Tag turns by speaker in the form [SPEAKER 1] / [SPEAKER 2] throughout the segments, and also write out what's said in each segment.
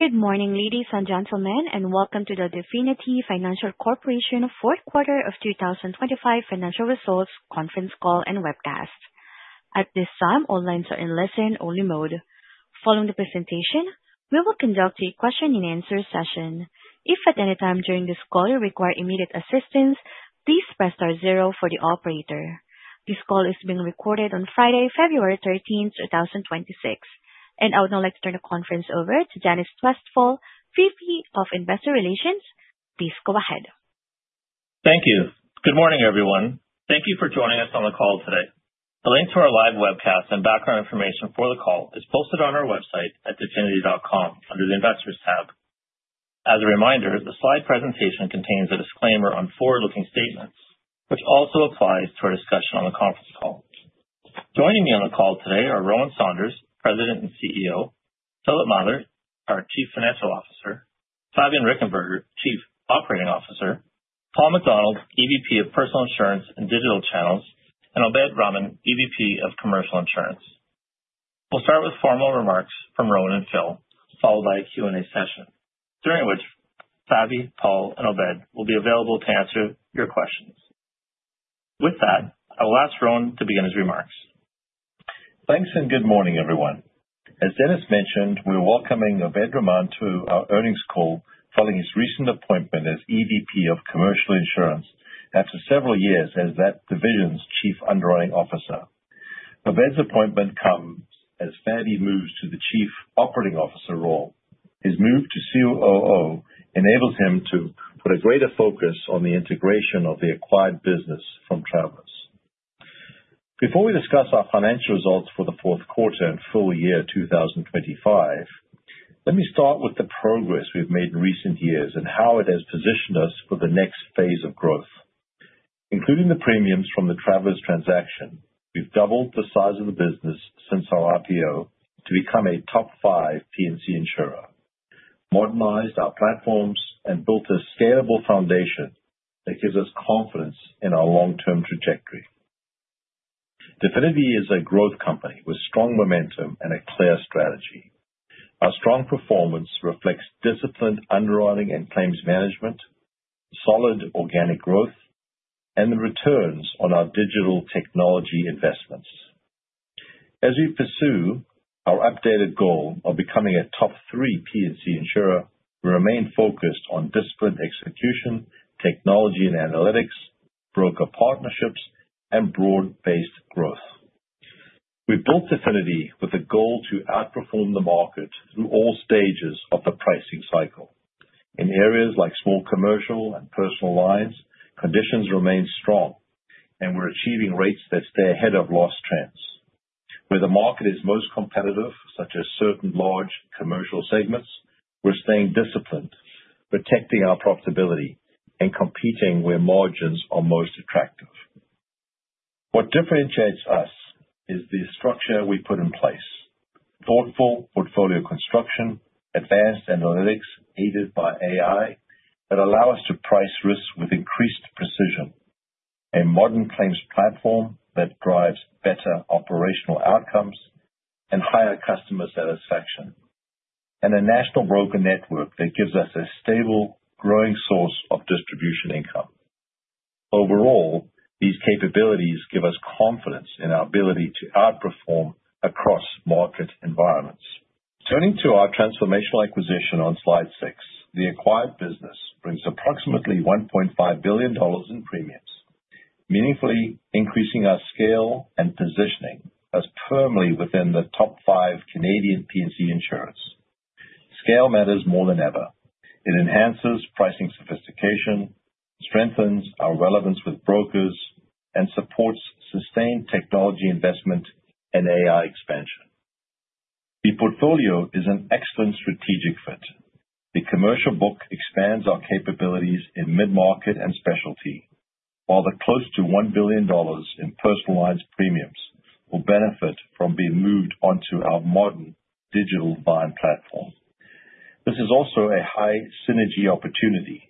[SPEAKER 1] Good morning, ladies and gentlemen, and welcome to the Definity Financial Corporation Q4 of 2025 financial results conference call and webcast. At this time, all lines are in listen-only mode. Following the presentation, we will conduct a question-and-answer session. If at any time during this call you require immediate assistance, please press star zero for the operator. This call is being recorded on Friday, February 13, 2026. I would now like to turn the conference over to Dennis Westfall, VP of Investor Relations. Please go ahead.
[SPEAKER 2] Thank you. Good morning, everyone. Thank you for joining us on the call today. A link to our live webcast and background information for the call is posted on our website at definity.com under the Investors tab. As a reminder, the slide presentation contains a disclaimer on forward-looking statements, which also applies to our discussion on the conference call. Joining me on the call today are Rowan Saunders, President and CEO; Philip Mather, our Chief Financial Officer; Fabian Richenberger, Chief Operating Officer; Paul MacDonald, EVP of Personal Insurance and Digital Channels; and Obaid Rahman, EVP of Commercial Insurance. We'll start with formal remarks from Rowan and Phil, followed by a Q&A session, during which Fabi, Paul, and Obaid will be available to answer your questions. With that, I'll ask Rowan to begin his remarks.
[SPEAKER 3] Thanks, and good morning, everyone. As Dennis mentioned, we're welcoming Obaid Rahman to our earnings call following his recent appointment as EVP of Commercial Insurance after several years as that division's Chief Underwriting Officer. Obaid's appointment comes as Fabi moves to the Chief Operating Officer role. His move to COO enables him to put a greater focus on the integration of the acquired business from Travelers. Before we discuss our financial results for the Q4 and full year 2025, let me start with the progress we've made in recent years and how it has positioned us for the next phase of growth. Including the premiums from the Travelers transaction, we've doubled the size of the business since our IPO to become a top five P&C insurer, modernized our platforms, and built a scalable foundation that gives us confidence in our long-term trajectory. Definity is a growth company with strong momentum and a clear strategy. Our strong performance reflects disciplined underwriting and claims management, solid organic growth, and the returns on our digital technology investments. As we pursue our updated goal of becoming a top three P&C insurer, we remain focused on disciplined execution, technology and analytics, broker partnerships, and broad-based growth. We built Definity with a goal to outperform the market through all stages of the pricing cycle. In areas like small commercial and personal lines, conditions remain strong, and we're achieving rates that stay ahead of loss trends. Where the market is most competitive, such as certain large commercial segments, we're staying disciplined, protecting our profitability, and competing where margins are most attractive. What differentiates us is the structure we put in place. Thoughtful portfolio construction, advanced analytics aided by AI, that allow us to price risks with increased precision, a modern claims platform that drives better operational outcomes and higher customer satisfaction, and a national broker network that gives us a stable, growing source of distribution income. Overall, these capabilities give us confidence in our ability to outperform across market environments. Turning to our transformational acquisition on slide six, the acquired business brings approximately 1.5 billion dollars in premiums, meaningfully increasing our scale and positioning us firmly within the top five Canadian P&C insurance. Scale matters more than ever. It enhances pricing sophistication, strengthens our relevance with brokers, and supports sustained technology investment and AI expansion. The portfolio is an excellent strategic fit. The commercial book expands our capabilities in mid-market and specialty, while the close to 1 billion dollars in personal lines premiums will benefit from being moved onto our modern digital buying platform. This is also a high synergy opportunity.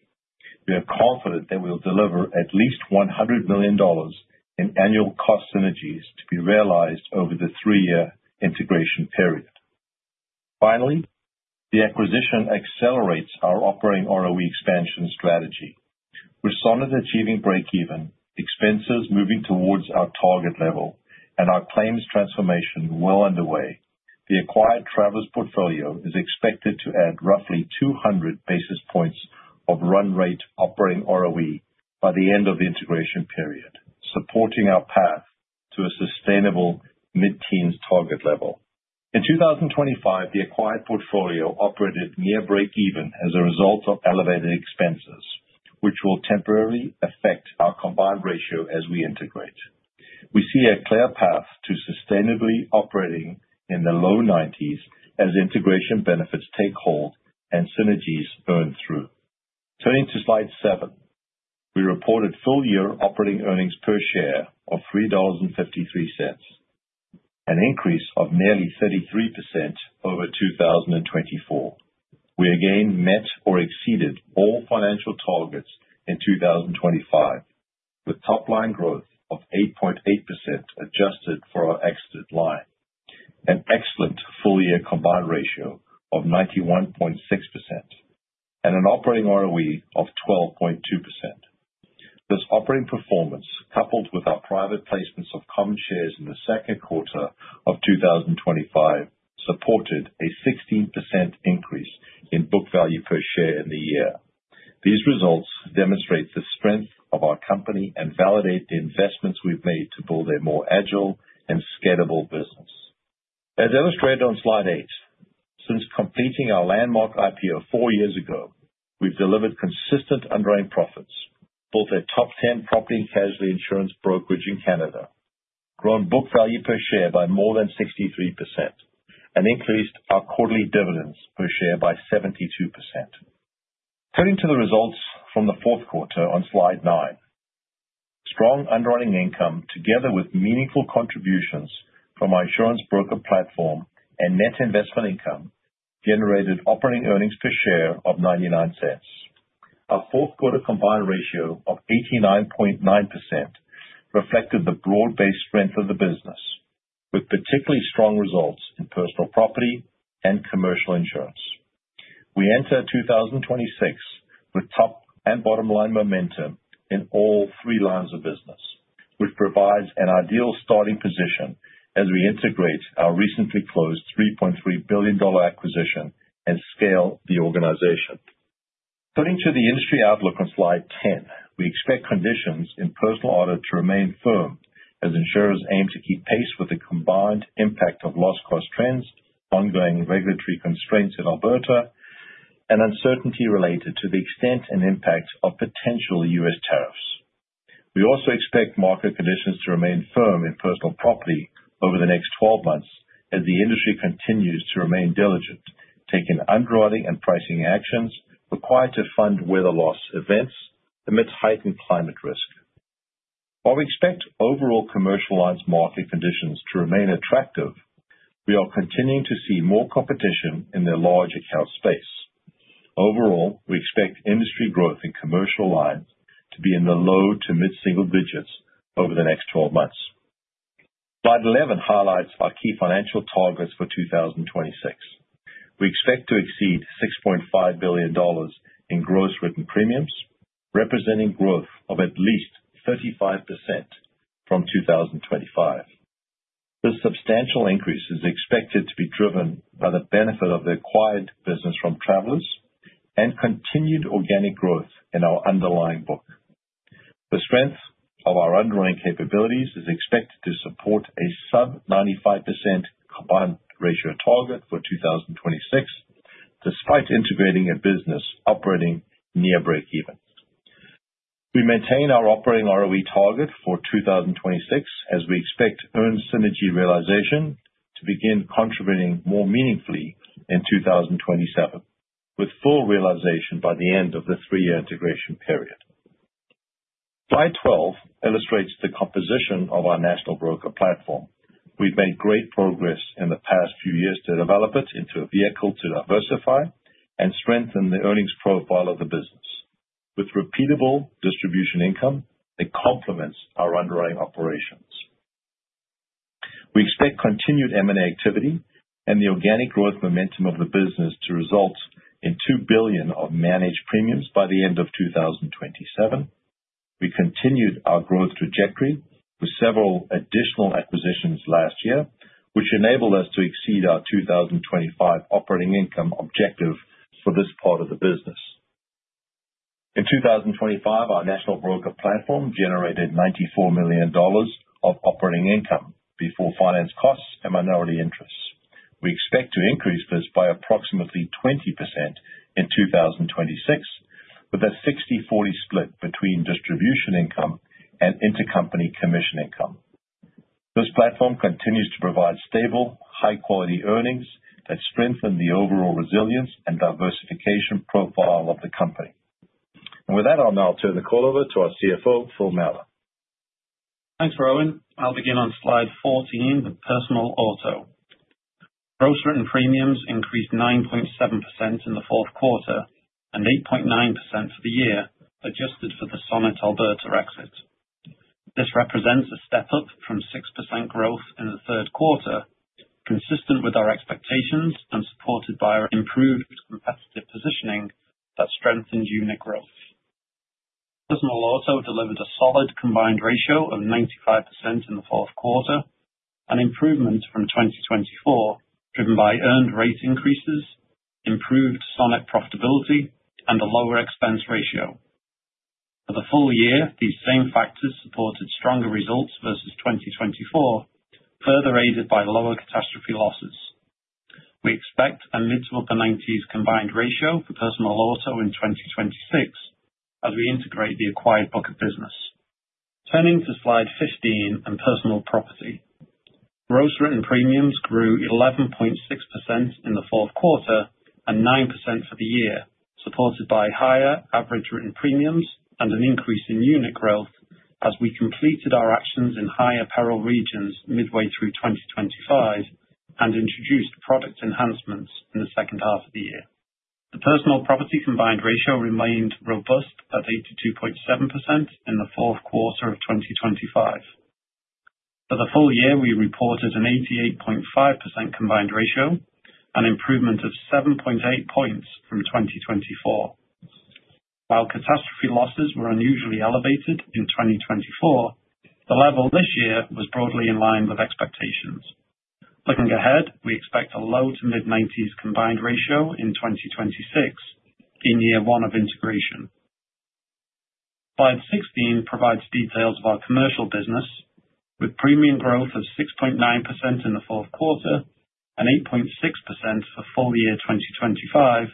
[SPEAKER 3] We are confident that we'll deliver at least 100 million dollars in annual cost synergies to be realized over the three-year integration period. Finally, the acquisition accelerates our operating ROE expansion strategy. We're solid achieving break even, expenses moving towards our target level, and our claims transformation well underway. The acquired Travelers portfolio is expected to add roughly 200 basis points of run rate operating ROE by the end of the integration period, supporting our path to a sustainable mid-teens target level. In 2025, the acquired portfolio operated near break even as a result of elevated expenses, which will temporarily affect our Combined Ratio as we integrate. We see a clear path to sustainably operating in the low 90s as integration benefits take hold and synergies burn through. Turning to slide seven, we reported full-year operating earnings per share of 3.53 dollars, an increase of nearly 33% over 2024. We again met or exceeded all financial targets in 2025 with top line growth of 8.8% adjusted for our exit line, an excellent full year combined ratio of 91.6%, and an operating ROE of 12.2%. This operating performance, coupled with our private placements of common shares in the Q2 of 2025, supported a 16% increase in book value per share in the year. These results demonstrate the strength of our company and validate the investments we've made to build a more agile and scalable business. As illustrated on Slide eight, since completing our landmark IPO four years ago, we've delivered consistent underwriting profits, built a top 10 property and casualty insurance brokerage in Canada, grown book value per share by more than 63%, and increased our quarterly dividends per share by 72%. Turning to the results from the Q4 on Slide nine. Strong underwriting income, together with meaningful contributions from our insurance broker platform and net investment income, generated operating earnings per share of 0.99. Our Q4 combined ratio of 89.9% reflected the broad-based strength of the business, with particularly strong results in personal property and commercial insurance. We enter 2026 with top and bottom line momentum in all three lines of business, which provides an ideal starting position as we integrate our recently closed $3.3 billion acquisition and scale the organization. Turning to the industry outlook on slide 10. We expect conditions in personal auto to remain firm as insurers aim to keep pace with the combined impact of loss cost trends, ongoing regulatory constraints in Alberta, and uncertainty related to the extent and impact of potential U.S. tariffs. We also expect market conditions to remain firm in personal property over the next 12 months, as the industry continues to remain diligent, taking underwriting and pricing actions required to fund weather loss events amidst heightened climate risk. While we expect overall commercial lines market conditions to remain attractive, we are continuing to see more competition in the large account space. Overall, we expect industry growth in commercial lines to be in the low to mid-single digits over the next 12 months. Slide 11 highlights our key financial targets for 2026. We expect to exceed 6.5 billion dollars in gross written premiums, representing growth of at least 35% from 2025. This substantial increase is expected to be driven by the benefit of the acquired business from Travelers and continued organic growth in our underlying book. The strength of our underwriting capabilities is expected to support a sub 95% combined ratio target for 2026, despite integrating a business operating near breakeven. We maintain our operating ROE target for 2026, as we expect earned synergy realization to begin contributing more meaningfully in 2027, with full realization by the end of the three year integration period. Slide 12 illustrates the composition of our national broker platform. We've made great progress in the past few years to develop it into a vehicle to diversify and strengthen the earnings profile of the business, with repeatable distribution income that complements our underwriting operations. We expect continued M&A activity and the organic growth momentum of the business to result in 2 billion of managed premiums by the end of 2027. We continued our growth trajectory with several additional acquisitions last year, which enabled us to exceed our 2025 operating income objective for this part of the business. In 2025, our national broker platform generated 94 million dollars of operating income before finance costs and minority interests. We expect to increase this by approximately 20% in 2026, with a 60/40 split between distribution income and intercompany commission income. This platform continues to provide stable, high-quality earnings that strengthen the overall resilience and diversification profile of the company. With that, I'll now turn the call over to our CFO, Phil Mather.
[SPEAKER 4] Thanks, Rowan. I'll begin on slide 14 with personal auto. Gross written premiums increased 9.7% in the Q4 and 8.9% for the year, adjusted for the Sonnet Alberta exit. This represents a step up from 6% growth in the Q3, consistent with our expectations and supported by our improved competitive positioning that strengthened unit growth. Personal auto delivered a solid combined ratio of 95% in the Q4, an improvement from 2024, driven by earned rate increases, improved Sonnet profitability, and a lower expense ratio. For the full year, these same factors supported stronger results versus 2024, further aided by lower catastrophe losses. We expect a mid- to upper-90s combined ratio for personal auto in 2026 as we integrate the acquired book of business. Turning to slide 15 and personal property. Gross written premiums grew 11.6% in the Q4 and 9% for the year, supported by higher average written premiums and an increase in unit growth as we completed our actions in higher peril regions midway through 2025 and introduced product enhancements in the second half of the year. The personal property combined ratio remained robust at 82.7% in the Q4 of 2025. For the full year, we reported an 88.5% combined ratio, an improvement of 7.8 points from 2024. While catastrophe losses were unusually elevated in 2024, the level this year was broadly in line with expectations. Looking ahead, we expect a low- to mid-90s combined ratio in 2026, in year one of integration. Slide 16 provides details of our commercial business, with premium growth of 6.9% in the Q4 and 8.6% for full year 2025,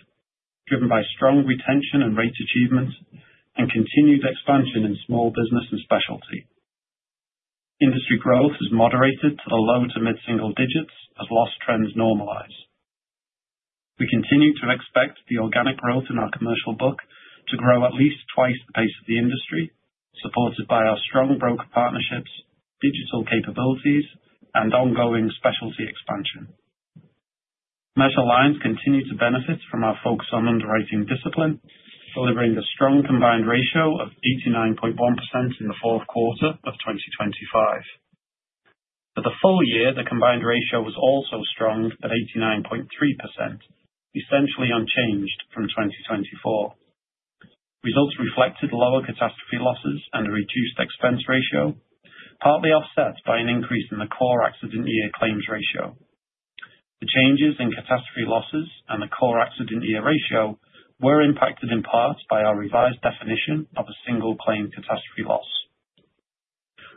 [SPEAKER 4] driven by strong retention and rate achievements and continued expansion in small business and specialty. Industry growth has moderated to the low to mid-single digits as loss trends normalize. We continue to expect the organic growth in our commercial book to grow at least twice the pace of the industry, supported by our strong broker partnerships, digital capabilities, and ongoing specialty expansion. Major lines continue to benefit from our focus on underwriting discipline, delivering a strong combined ratio of 89.1% in the Q4 of 2025. For the full year, the combined ratio was also strong at 89.3%, essentially unchanged from 2024. Results reflected lower catastrophe losses and a reduced expense ratio, partly offset by an increase in the core accident year claims ratio. The changes in catastrophe losses and the core accident year ratio were impacted in part by our revised definition of a single claim catastrophe loss.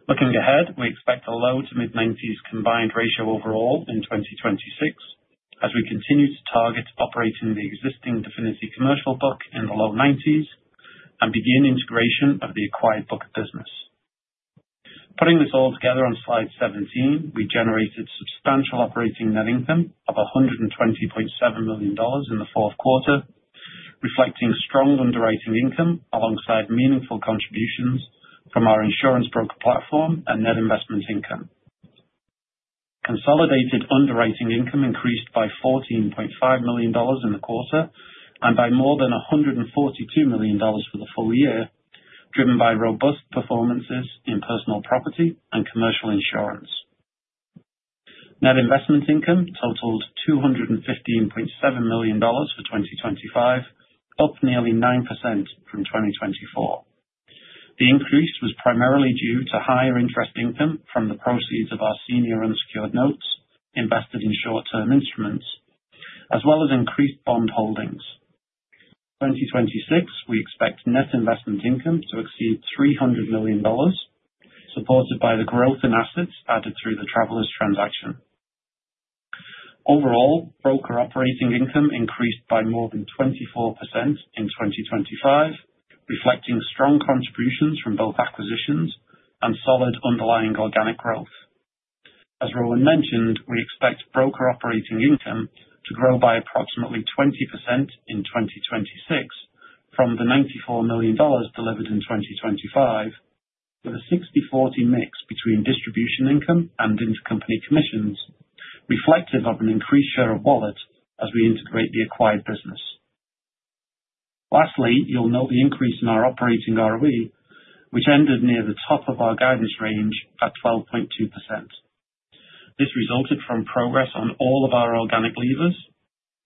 [SPEAKER 4] Looking ahead, we expect a low- to mid-90s combined ratio overall in 2026, as we continue to target operating the existing Definity commercial book in the low 90s and begin integration of the acquired book of business. Putting this all together on slide 17, we generated substantial operating net income of 120.7 million dollars in the Q4, reflecting strong underwriting income alongside meaningful contributions from our insurance broker platform and net investment income. Consolidated underwriting income increased by 14.5 million dollars in the quarter and by more than 142 million dollars for the full year, driven by robust performances in personal property and commercial insurance. Net investment income totaled 215.7 million dollars for 2025, up nearly 9% from 2024. The increase was primarily due to higher interest income from the proceeds of our senior unsecured notes invested in short-term instruments, as well as increased bond holdings. In 2026, we expect net investment income to exceed 300 million dollars, supported by the growth in assets added through the Travelers transaction. Overall, broker operating income increased by more than 24% in 2025, reflecting strong contributions from both acquisitions and solid underlying organic growth. As Rowan mentioned, we expect broker operating income to grow by approximately 20% in 2026 from the 94 million dollars delivered in 2025, with a 60/40 mix between distribution income and intercompany commissions, reflective of an increased share of wallet as we integrate the acquired business. Lastly, you'll note the increase in our Operating ROE, which ended near the top of our guidance range at 12.2%. This resulted from progress on all of our organic levers,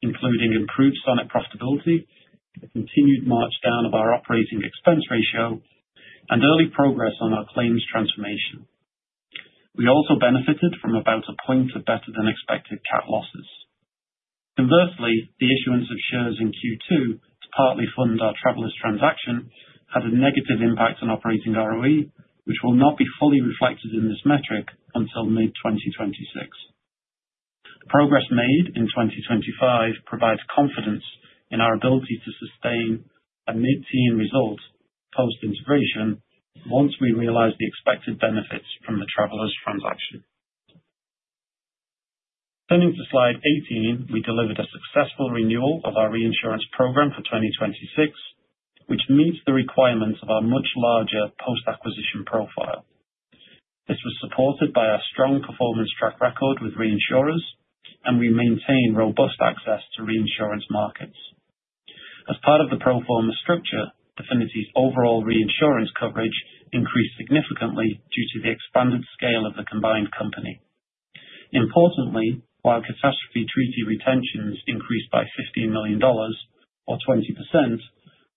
[SPEAKER 4] including improved Sonnet profitability, the continued march down of our operating expense ratio, and early progress on our claims transformation. We also benefited from about a point of better-than-expected CAT losses. Conversely, the issuance of shares in Q2 to partly fund our Travelers transaction had a negative impact on Operating ROE, which will not be fully reflected in this metric until mid-2026. The progress made in 2025 provides confidence in our ability to sustain a mid-teen result post-integration once we realize the expected benefits from the Travelers transaction. Turning to Slide 18, we delivered a successful renewal of our reinsurance program for 2026, which meets the requirements of our much larger post-acquisition profile. This was supported by our strong performance track record with reinsurers, and we maintain robust access to reinsurance markets. As part of the pro forma structure, Definity's overall reinsurance coverage increased significantly due to the expanded scale of the combined company. Importantly, while catastrophe treaty retentions increased by 15 million dollars, or 20%,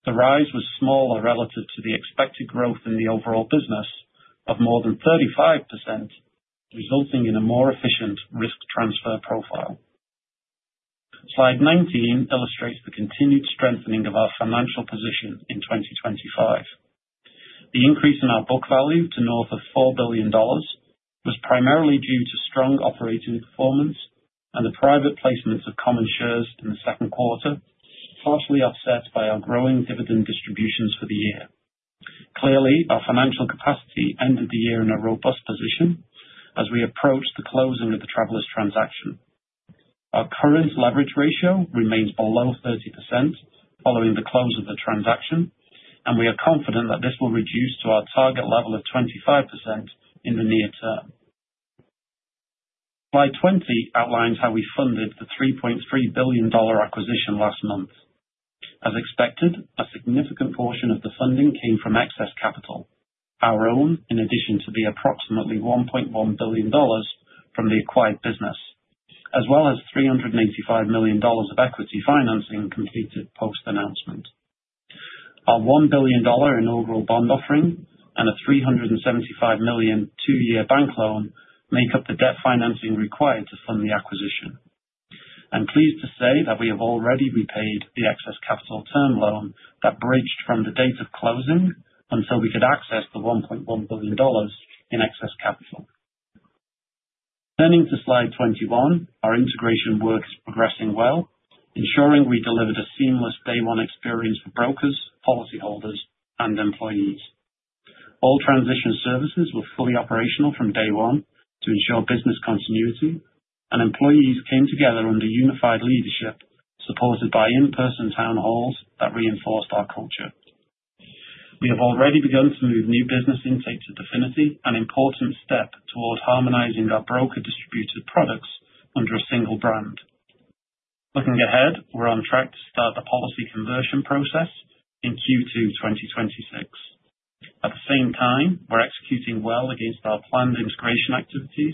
[SPEAKER 4] the rise was smaller relative to the expected growth in the overall business of more than 35%, resulting in a more efficient risk transfer profile. Slide 19 illustrates the continued strengthening of our financial position in 2025. The increase in our book value to north of 4 billion dollars was primarily due to strong operating performance and the private placements of common shares in the Q2, partially offset by our growing dividend distributions for the year. Clearly, our financial capacity ended the year in a robust position as we approach the closing of the Travelers transaction. Our current leverage ratio remains below 30% following the close of the transaction, and we are confident that this will reduce to our target level of 25% in the near term. Slide 20 outlines how we funded the $3.3 billion acquisition last month. As expected, a significant portion of the funding came from excess capital, our own, in addition to the approximately $1.1 billion from the acquired business, as well as $385 million of equity financing completed post-announcement. Our $1 billion inaugural bond offering and a $375 million two-year bank loan make up the debt financing required to fund the acquisition. I'm pleased to say that we have already repaid the excess capital term loan that bridged from the date of closing until we could access the $1.1 billion in excess capital. Turning to slide 21, our integration work is progressing well, ensuring we delivered a seamless day one experience for brokers, policyholders, and employees. All transition services were fully operational from day one to ensure business continuity, and employees came together under unified leadership, supported by in-person town halls that reinforced our culture. We have already begun to move new business intake to Definity, an important step towards harmonizing our broker-distributed products under a single brand. Looking ahead, we're on track to start the policy conversion process in Q2 2026. At the same time, we're executing well against our planned integration activities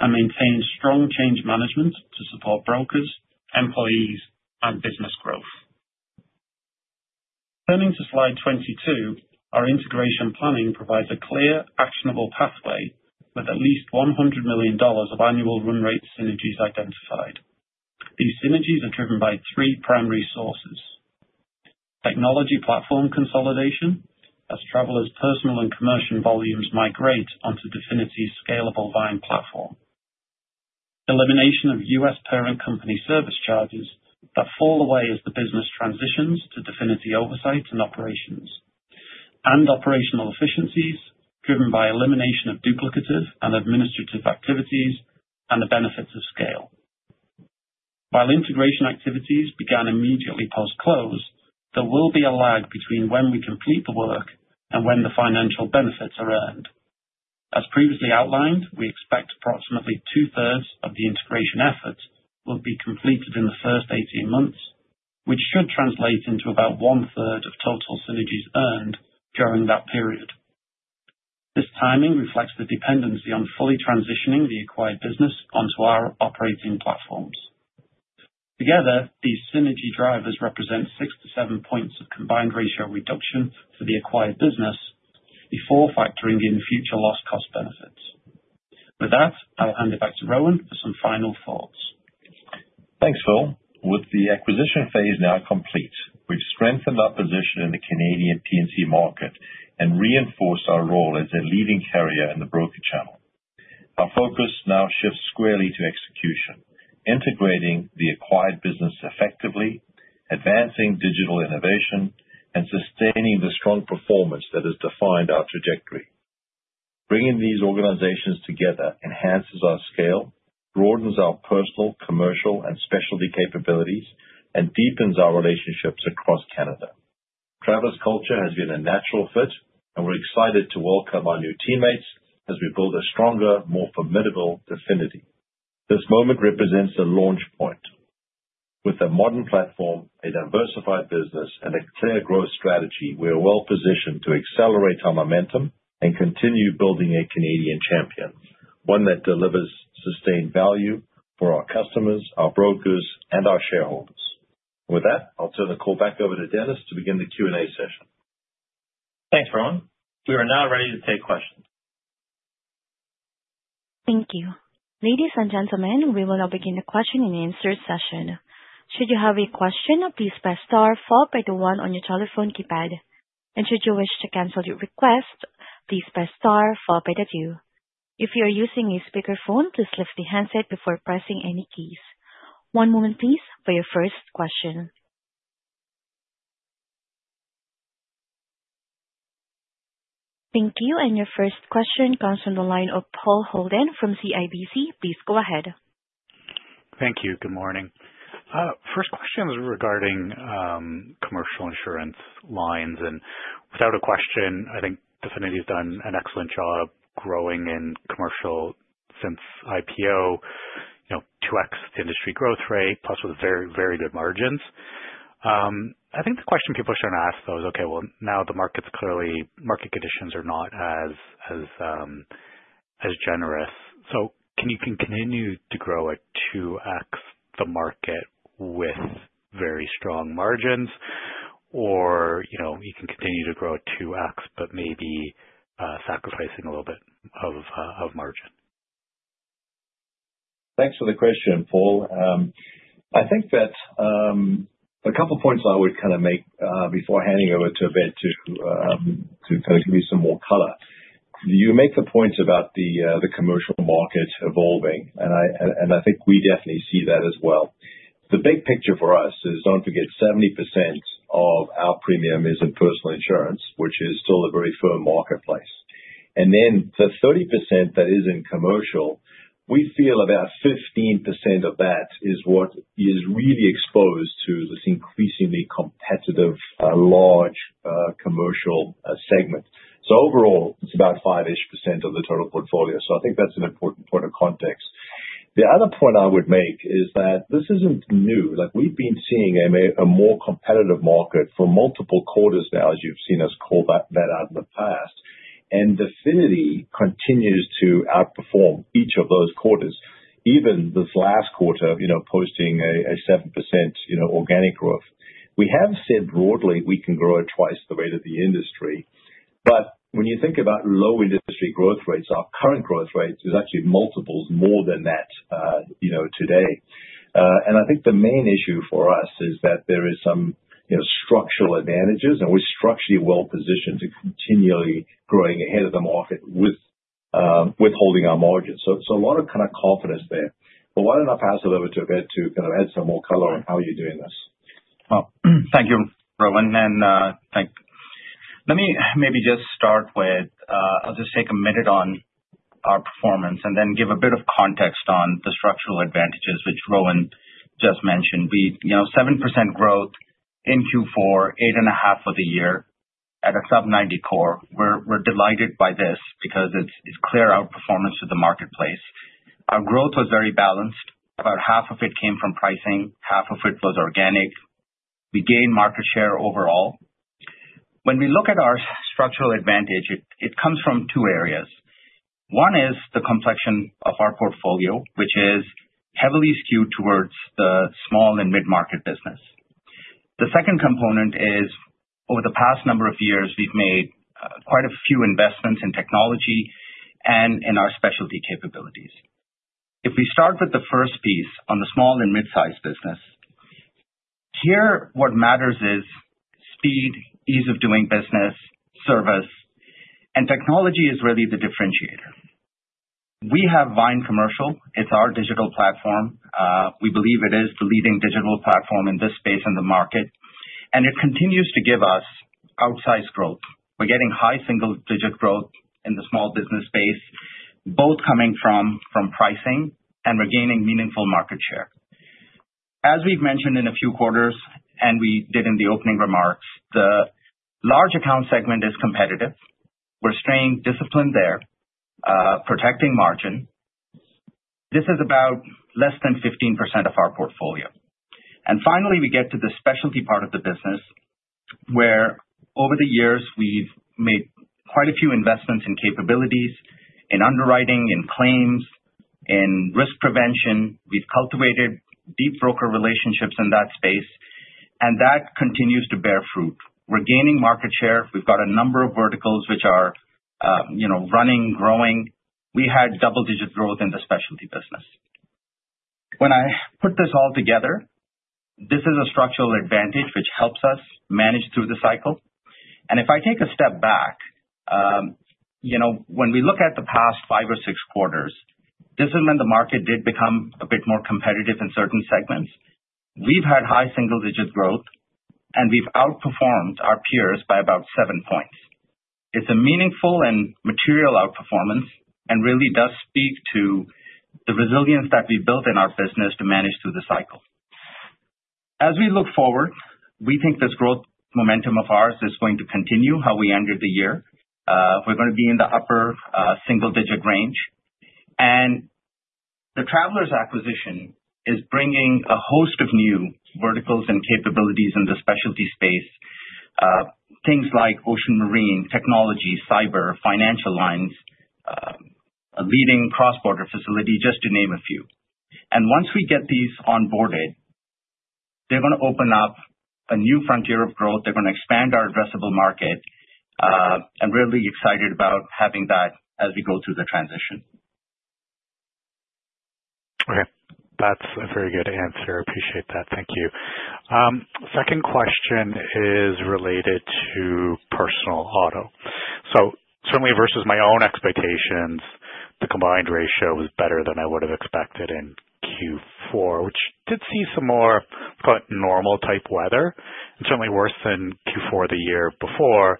[SPEAKER 4] and maintaining strong change management to support brokers, employees, and business growth. Turning to slide 22, our integration planning provides a clear, actionable pathway with at least 100 million dollars of annual run rate synergies identified. These synergies are driven by three primary sources: technology platform consolidation, as Travelers personal and commercial volumes migrate onto Definity's scalable Vyne platform, elimination of U.S. parent company service charges that fall away as the business transitions to Definity oversight and operations, and operational efficiencies driven by elimination of duplicative and administrative activities and the benefits of scale. While integration activities began immediately post-close, there will be a lag between when we complete the work and when the financial benefits are earned. As previously outlined, we expect approximately 2/3 of the integration efforts will be completed in the first 18 months, which should translate into about 1/3 of total synergies earned during that period. This timing reflects the dependency on fully transitioning the acquired business onto our operating platforms. Together, these synergy drivers represent six to seven points of combined ratio reduction for the acquired business before factoring in future loss cost benefits. With that, I'll hand it back to Rowan for some final thoughts.
[SPEAKER 3] Thanks, Phil. With the acquisition phase now complete, we've strengthened our position in the Canadian P&C market and reinforced our role as a leading carrier in the broker channel. Our focus now shifts squarely to execution, integrating the acquired business effectively, advancing digital innovation, and sustaining the strong performance that has defined our trajectory. Bringing these organizations together enhances our scale, broadens our personal, commercial, and specialty capabilities, and deepens our relationships across Canada. Travelers culture has been a natural fit, and we're excited to welcome our new teammates as we build a stronger, more formidable Definity. This moment represents the launch point. With a modern platform, a diversified business, and a clear growth strategy, we are well positioned to accelerate our momentum and continue building a Canadian champion, one that delivers sustained value for our customers, our brokers, and our shareholders. With that, I'll turn the call back over to Dennis to begin the Q&A session.
[SPEAKER 2] Thanks, Rowan. We are now ready to take questions.
[SPEAKER 1] Thank you. Ladies and gentlemen, we will now begin the question and answer session. Should you have a question, please press star followed by the one on your telephone keypad. Should you wish to cancel your request, please press star followed by the two. If you are using a speakerphone, please lift the handset before pressing any keys. One moment please for your first question. Thank you, and your first question comes from the line of Paul Holden from CIBC. Please go ahead.
[SPEAKER 5] Thank you. Good morning. First question was regarding commercial insurance lines, and without a question, I think Definity has done an excellent job growing in commercial since IPO, you know, 2x industry growth rate, plus with very, very good margins. I think the question people are starting to ask, though, is: okay, well, now the market's clearly, market conditions are not as generous. So can you continue to grow at 2x the market with very strong margins? Or, you know, you can continue to grow at 2x, but maybe, sacrificing a little bit of margin.
[SPEAKER 3] Thanks for the question, Paul. I think that a couple points I would kind of make before handing over to Ben to give you some more color. You make the point about the commercial market evolving, and I think we definitely see that as well. The big picture for us is, don't forget, 70% of our premium is in personal insurance, which is still a very firm marketplace. And then the 30% that is in commercial, we feel about 15% of that is what is really exposed to this increasingly competitive large commercial segment. So overall, it's about 5-ish% of the total portfolio. So I think that's an important point of context. The other point I would make is that this isn't new. Like, we've been seeing a more competitive market for multiple quarters now, as you've seen us call that out in the past. And Definity continues to outperform each of those quarters, even this last quarter, you know, posting a 7% organic growth. We have said broadly, we can grow at twice the rate of the industry, but when you think about low industry growth rates, our current growth rates is actually multiples more than that, you know, today. And I think the main issue for us is that there is some structural advantages, and we're structurally well positioned to continually growing ahead of the market with withholding our margins. So a lot of kind of confidence there. Why don't I pass it over to Obaid to kind of add some more color on how you're doing this?
[SPEAKER 6] Well, thank you, Rowan, and let me maybe just start with, I'll just take a minute on our performance and then give a bit of context on the structural advantages which Rowan just mentioned. You know, 7% growth in Q4, 8.5% of the year at a sub-90 core. We're, we're delighted by this because it's, it's clear outperformance to the marketplace. Our growth was very balanced. About half of it came from pricing, half of it was organic. We gained market share overall. When we look at our structural advantage, it, it comes from two areas. One is the complexion of our portfolio, which is heavily skewed towards the small and mid-market business. The second component is, over the past number of years, we've made quite a few investments in technology and in our specialty capabilities. If we start with the first piece on the small and mid-sized business, here, what matters is speed, ease of doing business, service, and technology is really the differentiator. We have Vyne Commercial. It's our digital platform. We believe it is the leading digital platform in this space in the market, and it continues to give us outsized growth. We're getting high single-digit growth in the small business space, both coming from, from pricing and we're gaining meaningful market share. As we've mentioned in a few quarters, and we did in the opening remarks, the large account segment is competitive. We're staying disciplined there, protecting margin. This is about less than 15% of our portfolio. And finally, we get to the specialty part of the business, where over the years we've made quite a few investments in capabilities, in underwriting, in claims, in risk prevention. We've cultivated deep broker relationships in that space, and that continues to bear fruit. We're gaining market share. We've got a number of verticals which are, you know, running, growing. We had double-digit growth in the specialty business. When I put this all together, this is a structural advantage which helps us manage through the cycle. And if I take a step back, you know, when we look at the past five or six quarters, this is when the market did become a bit more competitive in certain segments. We've had high single-digit growth, and we've outperformed our peers by about seven points. It's a meaningful and material outperformance and really does speak to the resilience that we've built in our business to manage through the cycle. As we look forward, we think this growth momentum of ours is going to continue how we ended the year. We're going to be in the upper single digit range. The Travelers acquisition is bringing a host of new verticals and capabilities in the specialty space, things like ocean marine, technology, cyber, financial lines, a leading cross-border facility, just to name a few. Once we get these onboarded, they're going to open up a new frontier of growth. They're going to expand our addressable market. I'm really excited about having that as we go through the transition.
[SPEAKER 5] Okay, that's a very good answer. I appreciate that. Thank you. Second question is related to personal auto. So certainly versus my own expectations, the combined ratio is better than I would have expected in Q4, which did see some more, quite normal type weather, and certainly worse than Q4 the year before,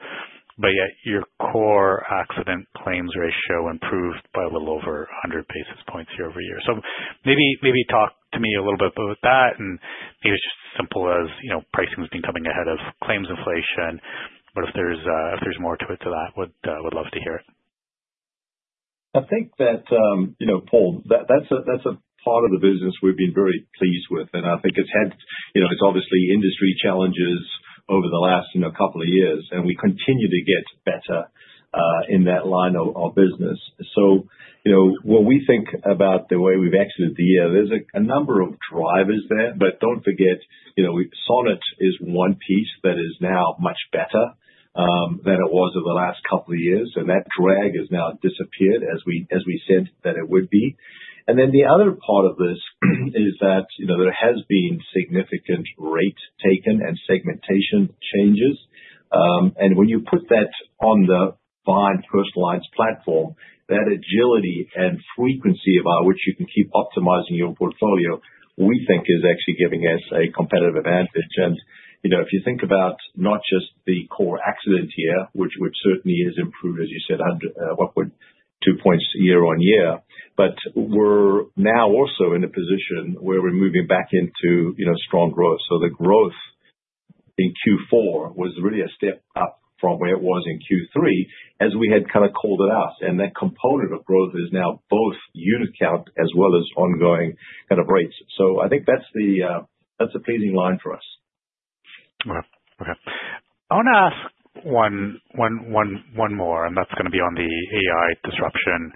[SPEAKER 5] but yet your core accident claims ratio improved by a little over 100 basis points year-over-year. So maybe, maybe talk to me a little bit about that, and maybe it's just as simple as, you know, pricing has been coming ahead of claims inflation. But if there's, if there's more to it to that, would, would love to hear it.
[SPEAKER 3] I think that, you know, Paul, that's a part of the business we've been very pleased with, and I think it's had, you know, it's obviously industry challenges over the last, you know, couple of years, and we continue to get better in that line of business. So, you know, when we think about the way we've exited the year, there's a number of drivers there, but don't forget, you know, we Sonnet is one piece that is now much better than it was over the last couple of years, and that drag has now disappeared, as we said that it would be. And then the other part of this is that, you know, there has been significant rate taken and segmentation changes. And when you put that on the Vyne personal lines platform, that agility and frequency by which you can keep optimizing your portfolio, we think is actually giving us a competitive advantage. And, you know, if you think about not just the core accident year, which certainly is improved, as you said, under what, two points year-over-year, but we're now also in a position where we're moving back into, you know, strong growth. So the growth in Q4 was really a step up from where it was in Q3, as we had kind of called it out, and that component of growth is now both unit count as well as ongoing kind of rates. So I think that's a pleasing line for us.
[SPEAKER 5] Okay. I want to ask one more, and that's going to be on the AI disruption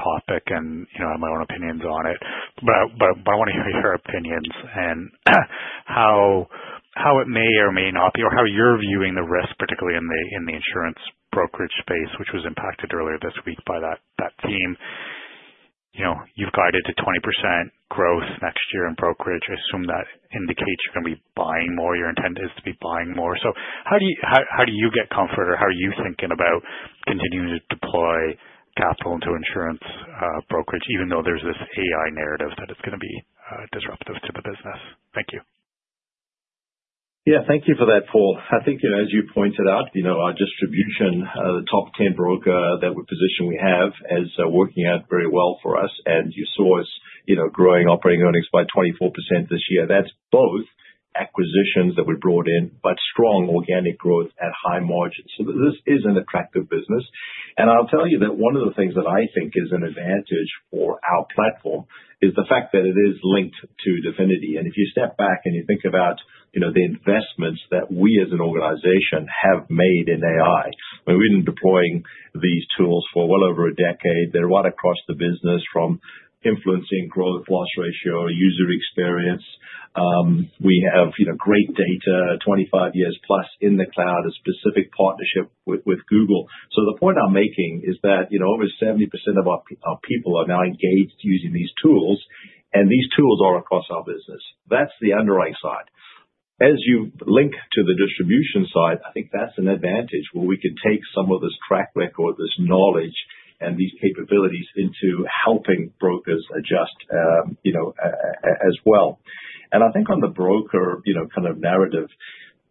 [SPEAKER 5] topic, and, you know, I have my own opinions on it. But I want to hear your opinions and how it may or may not be, or how you're viewing the risk, particularly in the insurance brokerage space, which was impacted earlier this week by that theme. You know, you've guided to 20% growth next year in brokerage. I assume that indicates you're going to be buying more, your intent is to be buying more. So how do you get comfort, or how are you thinking about continuing to deploy capital into insurance brokerage, even though there's this AI narrative that it's going to be disruptive to the business? Thank you.
[SPEAKER 3] Yeah. Thank you for that, Paul. I think, you know, as you pointed out, you know, our distribution, the top ten broker that position we have, is working out very well for us. And you saw us, you know, growing operating earnings by 24% this year. That's both acquisitions that we brought in, but strong organic growth at high margins. So this is an attractive business. And I'll tell you that one of the things that I think is an advantage for our platform is the fact that it is linked to Definity. And if you step back and you think about, you know, the investments that we as an organization have made in AI, I mean, we've been deploying these tools for well over a decade. They're right across the business, from influencing growth, loss ratio, user experience. We have, you know, great data, 25 years plus in the cloud, a specific partnership with Google. So the point I'm making is that, you know, over 70% of our people are now engaged using these tools, and these tools are across our business. That's the underwriting side. As you link to the distribution side, I think that's an advantage where we can take some of this track record, this knowledge and these capabilities into helping brokers adjust, you know, as well. And I think on the broker, you know, kind of narrative,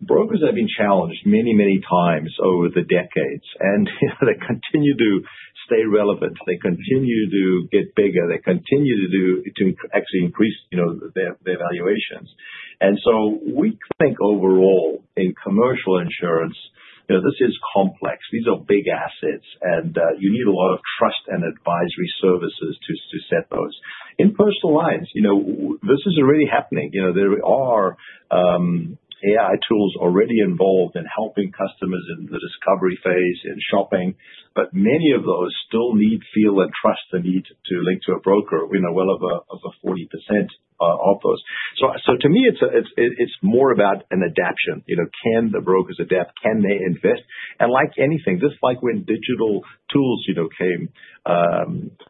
[SPEAKER 3] brokers have been challenged many, many times over the decades, and they continue to stay relevant, they continue to get bigger, they continue to actually increase, you know, their valuations. And so we think overall in commercial insurance, you know, this is complex. These are big assets, and you need a lot of trust and advisory services to set those. In personal lines, you know, this is already happening. You know, there are AI tools already involved in helping customers in the discovery phase, in shopping, but many of those still need feel and trust the need to link to a broker, you know, well over 40% of those. So to me, it's more about an adaptation. You know, can the brokers adapt? Can they invest? And like anything, just like when digital tools, you know, came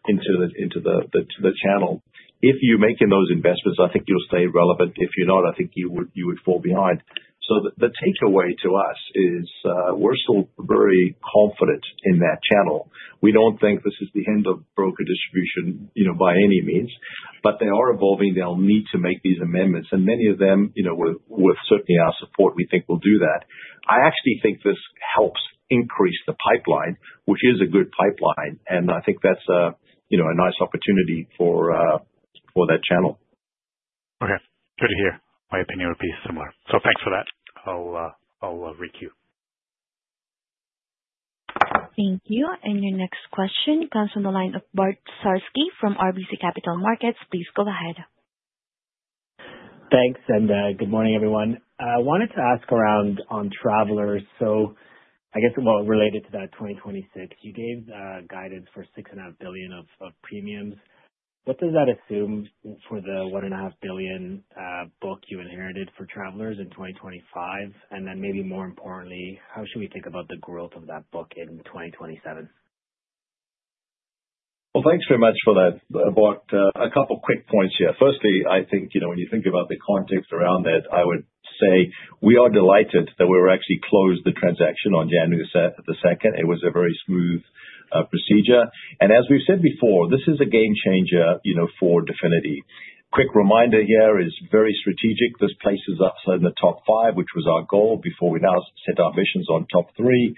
[SPEAKER 3] into the channel, if you're making those investments, I think you'll stay relevant. If you're not, I think you would fall behind. So the takeaway to us is, we're still very confident in that channel. We don't think this is the end of broker distribution, you know, by any means, but they are evolving. They'll need to make these amendments, and many of them, you know, with, with certainly our support, we think will do that. I actually think this helps increase the pipeline, which is a good pipeline, and I think that's a, you know, a nice opportunity for for that channel.
[SPEAKER 5] Okay. Good to hear. My opinion would be similar. So thanks for that. I'll requeue.
[SPEAKER 1] Thank you. And your next question comes from the line of Bart Dziarski from RBC Capital Markets. Please go ahead.
[SPEAKER 7] Thanks, and good morning, everyone. I wanted to ask around on Travelers. So I guess, well, related to that 2026, you gave guidance for 6.5 billion of premiums. What does that assume for the 1.5 billion book you inherited for Travelers in 2025? And then maybe more importantly, how should we think about the growth of that book in 2027?
[SPEAKER 3] Well, thanks very much for that, Bart. A couple quick points here. Firstly, I think, you know, when you think about the context around that, I would say we are delighted that we actually closed the transaction on January the second. It was a very smooth procedure. And as we've said before, this is a game changer, you know, for Definity. Quick reminder here, it's very strategic. This places us in the top five, which was our goal before we now set our vision on top three.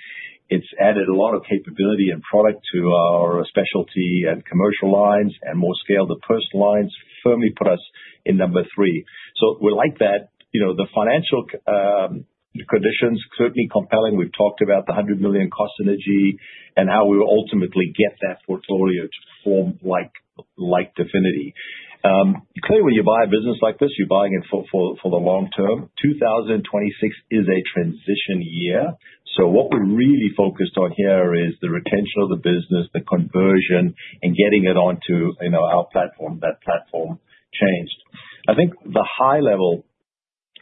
[SPEAKER 3] It's added a lot of capability and product to our specialty and commercial lines, and more scale to the personal lines, firmly put us in number three. So we like that. You know, the financial conditions certainly compelling. We've talked about the 100 million cost synergy and how we will ultimately get that portfolio to perform like Definity. Clearly, when you buy a business like this, you're buying it for the long term. 2026 is a transition year, so what we're really focused on here is the retention of the business, the conversion, and getting it onto, you know, our platform, that platform changed. I think the high level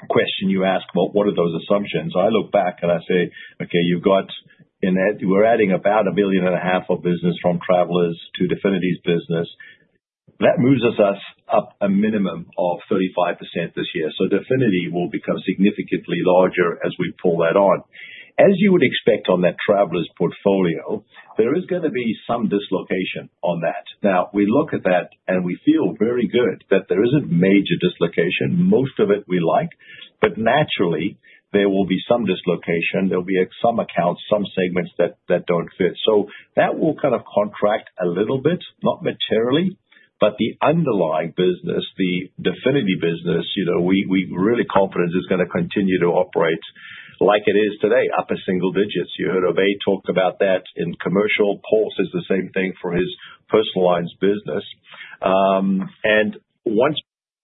[SPEAKER 3] question you asked about what are those assumptions? I look back and I say, "Okay, we're adding about 1.5 billion of business from Travelers to Definity's business. That moves us up a minimum of 35% this year. So Definity will become significantly larger as we pull that on." As you would expect on that Travelers portfolio, there is going to be some dislocation on that. Now, we look at that, and we feel very good that there isn't major dislocation. Most of it we like, but naturally, there will be some dislocation. There'll be some accounts, some segments that don't fit. So that will kind of contract a little bit, not materially... but the underlying business, the Definity business, you know, we're really confident is going to continue to operate like it is today, upper single digits. You heard Obaid talk about that in commercial. Paul says the same thing for his personal lines business. And once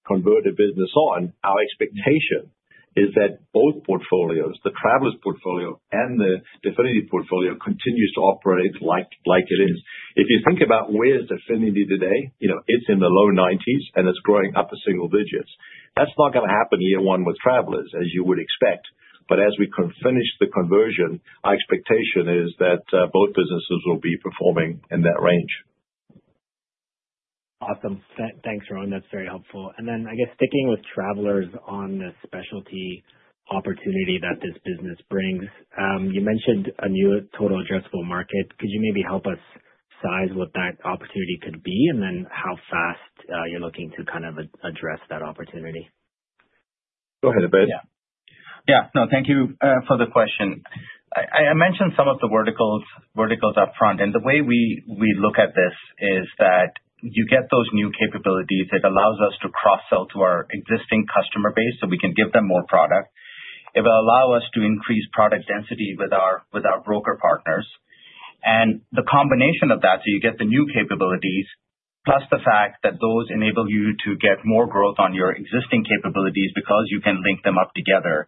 [SPEAKER 3] convert a business on, our expectation is that both portfolios, the Travelers portfolio and the Definity portfolio, continues to operate like it is. If you think about where's Definity today, you know, it's in the low nineties, and it's growing upper single digits. That's not going to happen year one with Travelers, as you would expect. But as we finish the conversion, our expectation is that both businesses will be performing in that range.
[SPEAKER 7] Awesome. Thanks, Rowan, that's very helpful. And then I guess sticking with Travelers on the specialty opportunity that this business brings, you mentioned a new total addressable market. Could you maybe help us size what that opportunity could be, and then how fast you're looking to kind of address that opportunity?
[SPEAKER 3] Go ahead, Obaid.
[SPEAKER 6] Yeah. Yeah, no, thank you for the question. I mentioned some of the verticals up front, and the way we look at this is that you get those new capabilities, it allows us to cross-sell to our existing customer base, so we can give them more product. It will allow us to increase product density with our broker partners. And the combination of that, so you get the new capabilities, plus the fact that those enable you to get more growth on your existing capabilities because you can link them up together,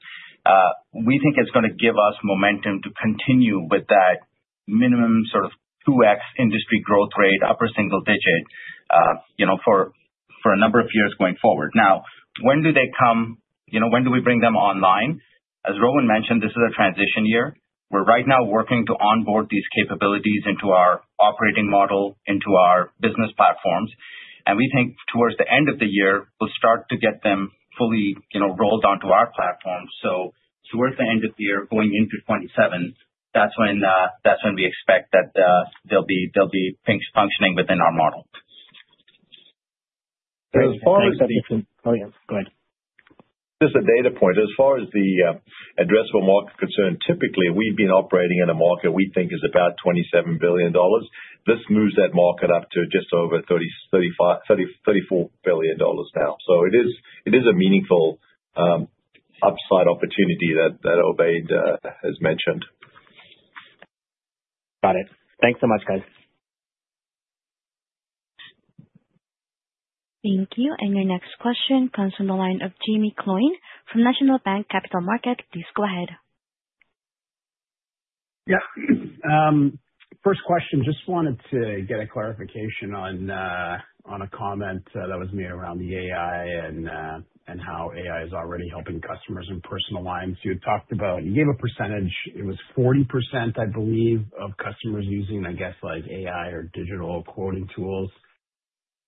[SPEAKER 6] we think it's going to give us momentum to continue with that minimum sort of 2x industry growth rate, upper single digit, you know, for a number of years going forward. Now, when do they come? You know, when do we bring them online? As Rowan mentioned, this is a transition year. We're right now working to onboard these capabilities into our operating model, into our business platforms, and we think towards the end of the year, we'll start to get them fully, you know, rolled onto our platform. So towards the end of the year, going into 2027, that's when we expect that they'll be functioning within our model.
[SPEAKER 3] As far as-
[SPEAKER 7] Thanks, Obaid. Oh, yeah, go ahead.
[SPEAKER 3] Just a data point. As far as the addressable market is concerned, typically, we've been operating in a market we think is about 27 billion dollars. This moves that market up to just over 30, 35, 30, 34 billion dollars now. So it is, it is a meaningful upside opportunity that that Obaid has mentioned.
[SPEAKER 7] Got it. Thanks so much, guys.
[SPEAKER 1] Thank you, and your next question comes from the line of Jaeme Gloyn from National Bank Financial. Please go ahead.
[SPEAKER 8] Yeah. First question. Just wanted to get a clarification on a comment that was made around the AI and how AI is already helping customers in personal lines. You had talked about... You gave a percentage, it was 40%, I believe, of customers using, I guess, like, AI or digital quoting tools.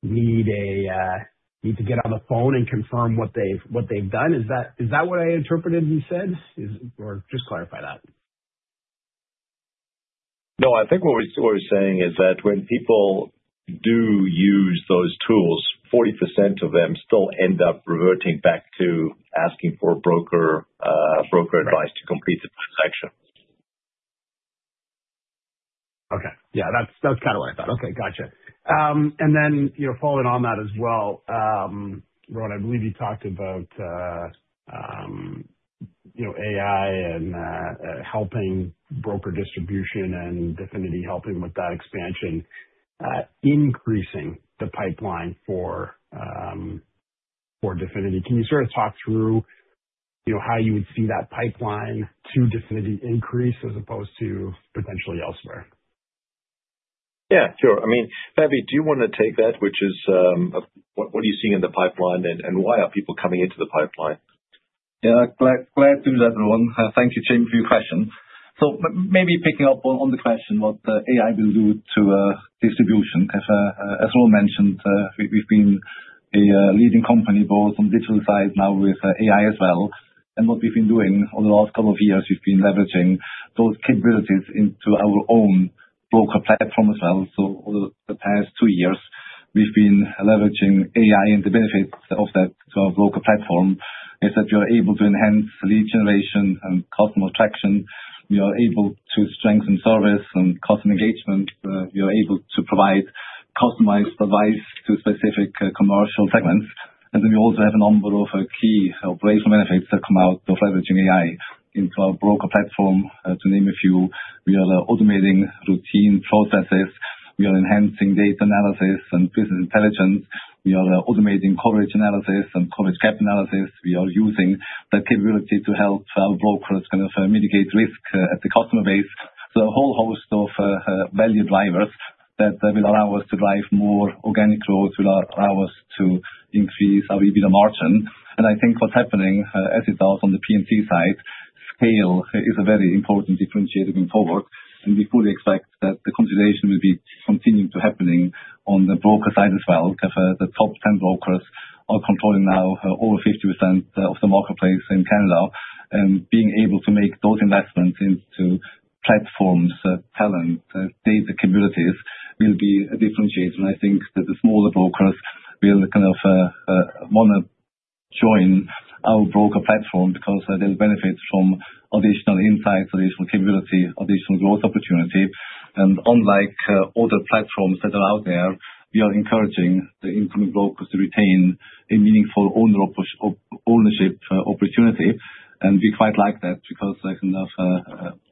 [SPEAKER 8] We need a need to get on the phone and confirm what they've, what they've done. Is that what I interpreted you said? Or just clarify that.
[SPEAKER 3] No, I think what we, what we're saying is that when people do use those tools, 40% of them still end up reverting back to asking for broker, broker advice to complete the transaction.
[SPEAKER 8] Okay. Yeah, that's, that's kind of what I thought. Okay, gotcha. And then, you know, following on that as well, Rowan, I believe you talked about, you know, AI and helping broker distribution and Definity helping with that expansion, increasing the pipeline for, for Definity. Can you sort of talk through, you know, how you would see that pipeline to Definity increase as opposed to potentially elsewhere?
[SPEAKER 3] Yeah, sure. I mean, Fabian, do you want to take that, which is, what are you seeing in the pipeline and why are people coming into the pipeline?
[SPEAKER 9] Yeah, glad, glad to do that, Rowan. Thank you, Jamie, for your question. So maybe picking up on the question, what AI will do to distribution, as Rowan mentioned, we've been a leading company both on digital side now with AI as well, and what we've been doing over the last couple of years, we've been leveraging those capabilities into our own broker platform as well. So over the past two years, we've been leveraging AI, and the benefits of that broker platform is that you're able to enhance lead generation and customer attraction. We are able to strengthen service and customer engagement. You're able to provide customized advice to specific commercial segments. And then we also have a number of key operational benefits that come out of leveraging AI into our broker platform. To name a few, we are automating routine processes, we are enhancing data analysis and business intelligence. We are automating coverage analysis and coverage gap analysis. We are using the capability to help our brokers kind of mitigate risk at the customer base. So a whole host of value drivers that will allow us to drive more organic growth, will allow us to increase our EBITDA margin. And I think what's happening, as it does on the P&C side, scale is a very important differentiator moving forward, and we fully expect that the consolidation will be continuing to happening on the broker side as well. The top 10 brokers are controlling now over 50% of the marketplace in Canada, and being able to make those investments into platforms, talent, data capabilities, will be a differentiator. I think that the smaller brokers will kind of want to join our broker platform because they'll benefit from additional insights, additional capability, additional growth opportunity. Unlike other platforms that are out there, we are encouraging the incoming brokers to retain a meaningful ownership opportunity. We quite like that because there's enough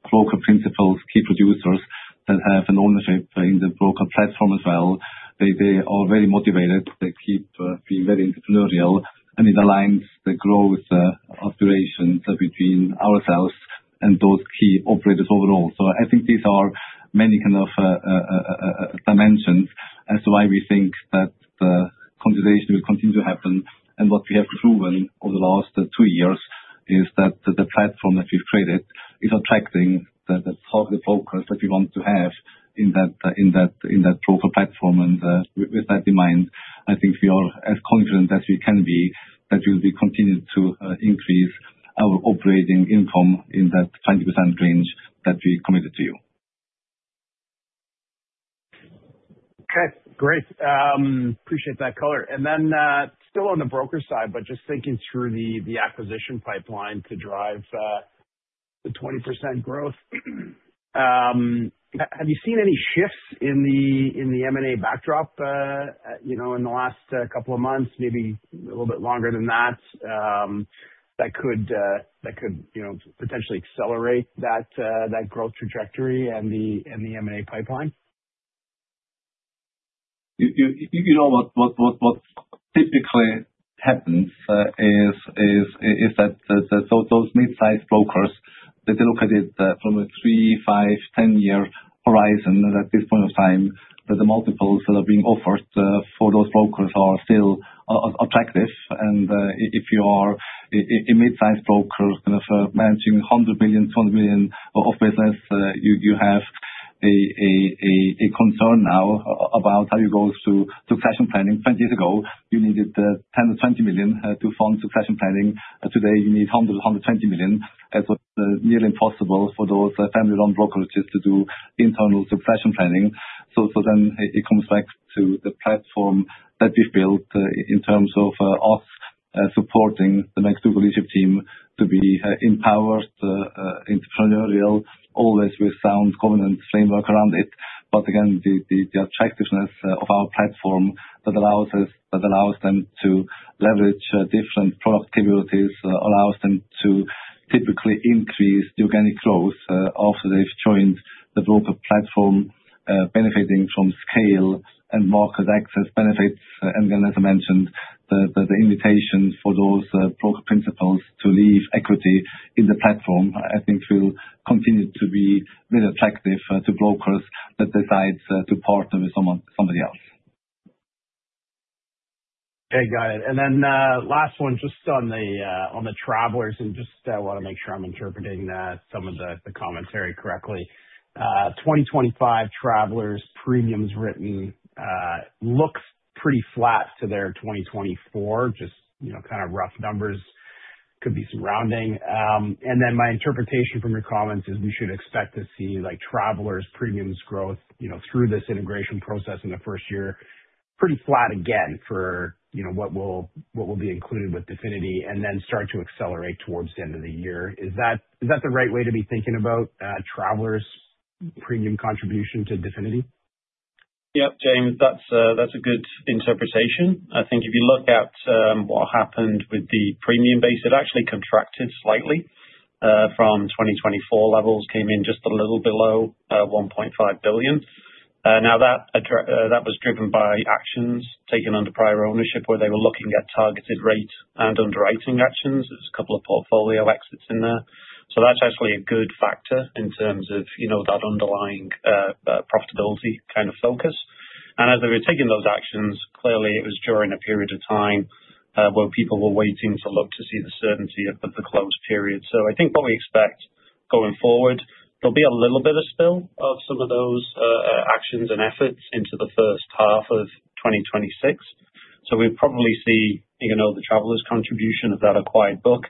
[SPEAKER 9] broker principals, key producers, that have an ownership in the broker platform as well. They are very motivated. They keep being very entrepreneurial, and it aligns the growth aspirations between ourselves and those key operators overall. So I think these are many kind of dimensions as to why we think that the consolidation will continue to happen. What we have proven over the last two years is that the platform that we've created is attracting the type of brokers that we want to have in that broker platform. With that in mind, I think we are as confident as we can be that we'll be continuing to increase our operating income in that 20% range that we committed to you.
[SPEAKER 8] Okay, great. Appreciate that color. And then, still on the broker side, but just thinking through the acquisition pipeline to drive the 20% growth. Have you seen any shifts in the M&A backdrop, you know, in the last couple of months, maybe a little bit longer than that, that could potentially accelerate that growth trajectory and the M&A pipeline?
[SPEAKER 9] You know what typically happens is that those mid-sized brokers, they look at it from a three-, five-, 10-year horizon. And at this point of time, the multiples that are being offered for those brokers are still attractive. And if you are a mid-sized broker, kind of, managing 100 million, 200 million of business, you have a concern now about how it goes to succession planning. 20 years ago, you needed 10 million-20 million to fund succession planning. Today, you need 120 million. It's nearly impossible for those family-run brokerages to do internal succession planning. So then it comes back to the platform that we've built, in terms of us supporting the next leadership team to be empowered, entrepreneurial, always with sound governance framework around it. But again, the attractiveness of our platform that allows them to leverage different product capabilities, allows them to typically increase organic growth after they've joined the broker platform, benefiting from scale and market access benefits. And then, as I mentioned, the invitation for those broker principals to leave equity in the platform, I think will continue to be very attractive to brokers that decides to partner with someone else.
[SPEAKER 8] Okay, got it. And then, last one, just on the Travelers, and just want to make sure I'm interpreting some of the commentary correctly. 2025 Travelers premiums written looks pretty flat to their 2024, just, you know, kind of rough numbers, could be some rounding. And then my interpretation from your comments is we should expect to see, like, Travelers premiums growth, you know, through this integration process in the first year, pretty flat again, for, you know, what will be included with Definity, and then start to accelerate towards the end of the year. Is that the right way to be thinking about Travelers' premium contribution to Definity?
[SPEAKER 4] Yep, Jaeme, that's a, that's a good interpretation. I think if you look at what happened with the premium base, it actually contracted slightly from 2024 levels, came in just a little below 1.5 billion. Now that was driven by actions taken under prior ownership, where they were looking at targeted rate and underwriting actions. There's a couple of portfolio exits in there. So that's actually a good factor in terms of, you know, that underlying profitability kind of focus. And as they were taking those actions, clearly it was during a period of time where people were waiting to look to see the certainty of the close period. I think what we expect going forward, there'll be a little bit of spill of some of those actions and efforts into the first half of 2026. We'll probably see, you know, the Travelers contribution of that acquired book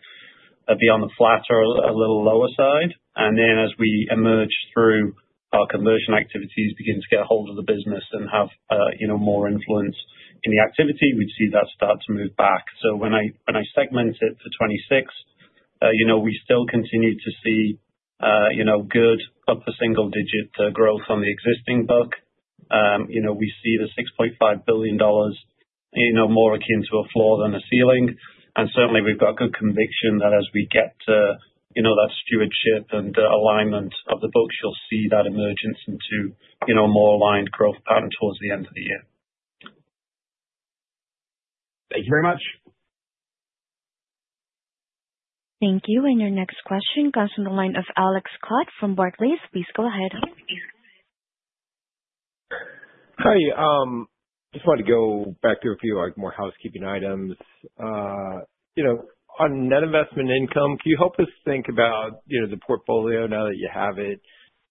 [SPEAKER 4] be on the flatter, a little lower side. And then as we emerge through our conversion activities, begin to get a hold of the business and have, you know, more influence in the activity, we'd see that start to move back. When I segment it to 2026, you know, we still continue to see, you know, good, upper single-digit growth on the existing book. You know, we see the 6.5 billion dollars more akin to a floor than a ceiling. Certainly we've got good conviction that as we get to, you know, that stewardship and alignment of the books, you'll see that emergence into, you know, more aligned growth pattern towards the end of the year.
[SPEAKER 8] Thank you very much.
[SPEAKER 1] Thank you. And your next question comes from the line of Alex Scott from Barclays. Please go ahead.
[SPEAKER 10] Hi. Just wanted to go back to a few, like, more housekeeping items. You know, on net investment income, can you help us think about, you know, the portfolio now that you have it?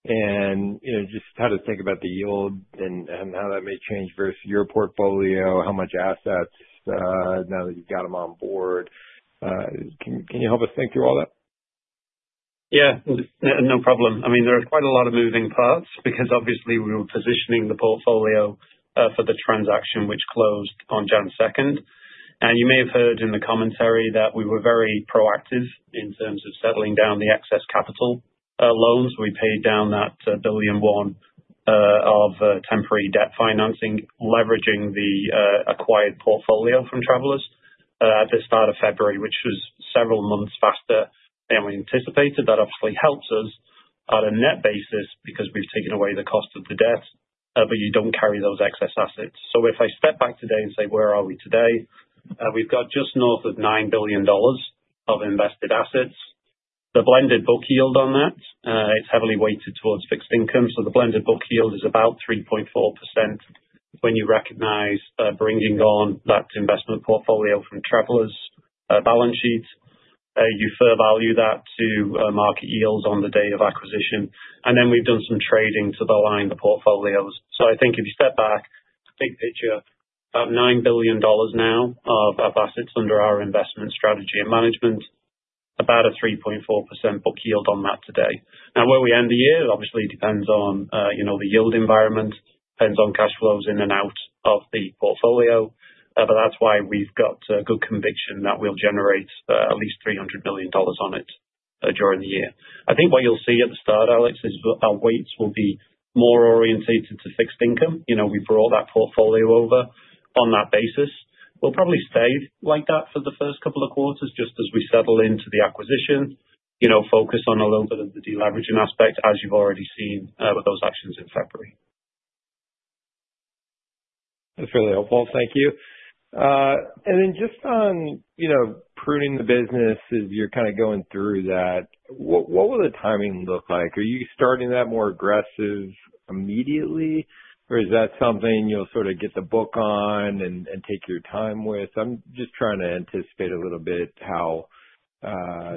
[SPEAKER 10] And, you know, just how to think about the yield, and how that may change versus your portfolio, how much assets now that you've got them on board. Can you help us think through all that?
[SPEAKER 4] Yeah, no problem. I mean, there are quite a lot of moving parts, because obviously we were positioning the portfolio for the transaction, which closed on January 2. And you may have heard in the commentary that we were very proactive in terms of settling down the excess capital loans. We paid down that 1 billion of temporary debt financing, leveraging the acquired portfolio from Travelers at the start of February, which was several months faster than we anticipated. That obviously helps us on a net basis, because we've taken away the cost of the debt, but you don't carry those excess assets. So if I step back today and say: Where are we today? We've got just north of 9 billion dollars of invested assets. The blended book yield on that, it's heavily weighted towards fixed income, so the blended book yield is about 3.4% when you recognize bringing on that investment portfolio from Travelers' balance sheet. You fair value that to market yields on the day of acquisition, and then we've done some trading to align the portfolios. So I think if you step back, big picture, about 9 billion dollars now of assets under our investment strategy and management, about a 3.4% book yield on that today. Now, where we end the year, obviously depends on you know the yield environment, depends on cash flows in and out of the portfolio, but that's why we've got good conviction that we'll generate at least 300 million dollars on it during the year. I think what you'll see at the start, Alex, is our weights will be more orientated to fixed income. You know, we brought that portfolio over on that basis. We'll probably stay like that for the first couple of quarters, just as we settle into the acquisition. You know, focus on a little bit of the deleveraging aspect, as you've already seen, with those actions in February.
[SPEAKER 10] That's really helpful. Thank you. And then just on, you know, pruning the business as you're kind of going through that, what will the timing look like? Are you starting that more aggressive immediately, or is that something you'll sort of get the book on and take your time with? I'm just trying to anticipate a little bit how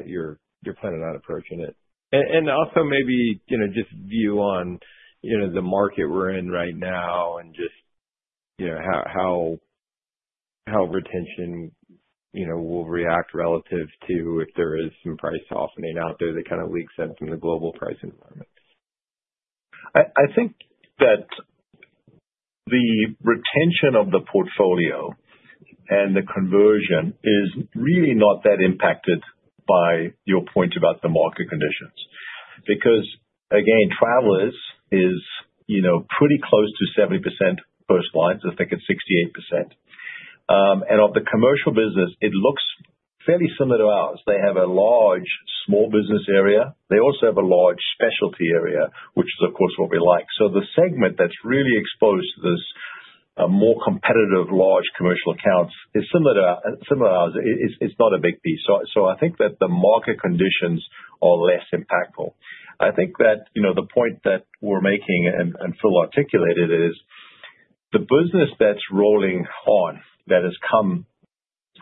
[SPEAKER 10] you're planning on approaching it. And also maybe, you know, just view on, you know, the market we're in right now and just, you know, how retention will react relative to if there is some price softening out there that kind of leaks in from the global price environment.
[SPEAKER 3] I think that the retention of the portfolio and the conversion is really not that impacted by your point about the market conditions. Because, again, Travelers is, you know, pretty close to 70% personal lines. I think it's 68%. And of the commercial business, it looks fairly similar to ours. They have a large, small business area. They also have a large specialty area, which is, of course, what we like. So the segment that's really exposed to this more competitive, large commercial accounts is similar to ours. It's not a big piece. So I think that the market conditions are less impactful. I think that, you know, the point that we're making and Phil articulated, is the business that's rolling on, that has come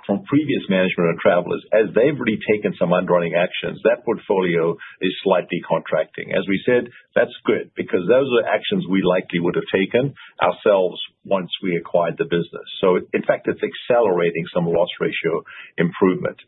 [SPEAKER 3] from previous management of Travelers, as they've already taken some underwriting actions, that portfolio is slightly contracting. As we said, that's good, because those are actions we likely would have taken ourselves once we acquired the business. So in fact, it's accelerating some loss ratio improvement.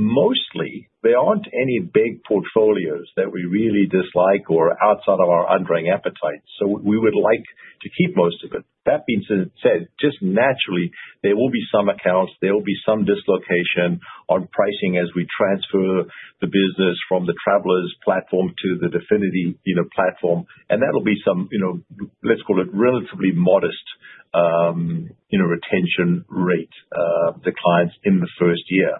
[SPEAKER 3] Mostly, there aren't any big portfolios that we really dislike or are outside of our underwriting appetite, so we would like to keep most of it. That being said, just naturally, there will be some accounts, there will be some dislocation on pricing as we transfer the business from the Travelers platform to the Definity, you know, platform. And that'll be some, you know, let's call it relatively modest, you know, retention rate declines in the first year.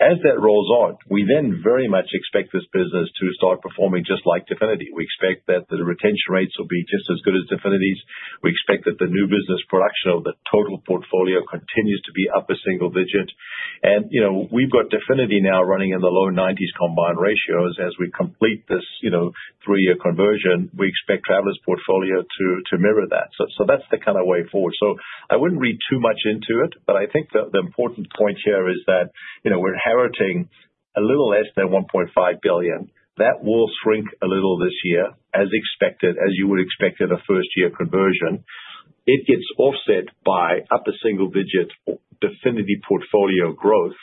[SPEAKER 3] As that rolls on, we then very much expect this business to start performing just like Definity. We expect that the retention rates will be just as good as Definity's. We expect that the new business production of the total portfolio continues to be up a single digit. And, you know, we've got Definity now running in the low 90s combined ratios. As we complete this, you know, three-year conversion, we expect Travelers' portfolio to mirror that. So that's the kind of way forward. So I wouldn't read too much into it, but I think the important point here is that, you know, we're inheriting a little less than 1.5 billion. That will shrink a little this year, as expected, as you would expect in a first-year conversion. It gets offset by upper single digit Definity portfolio growth,